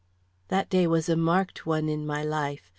That day was a marked one in my life.